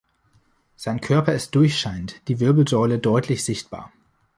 Sein Körper ist durchscheinend, die Wirbelsäule deutlich sichtbar.